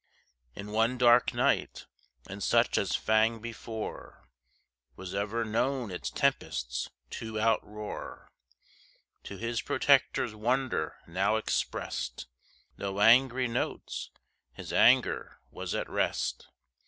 In one dark night, and such as Fang before Was ever known its tempests to outroar, To his protector's wonder now expressed, No angry notes his anger was at rest.